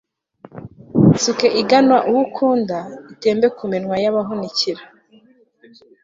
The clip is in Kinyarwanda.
yisuke igana uwo nkunda, itembe ku minwa y'abahunikira